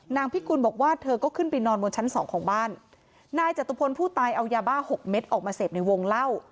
พิกุลบอกว่าเธอก็ขึ้นไปนอนบนชั้นสองของบ้านนายจตุพลผู้ตายเอายาบ้าหกเม็ดออกมาเสพในวงเล่า